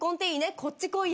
こっち来いよ。